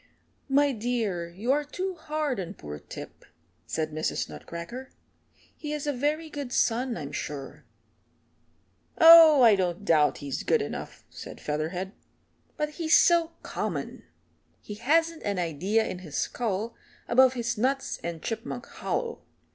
"My dear, you are too hard on poor Tip," said Mrs. Nutcracker. "He is a very good son, I'm sure." "Oh, I don't doubt he's good enough," said Featherhead, "but he's so common. He hasn't an idea in his skull above his nuts and Chipmunk Hollow.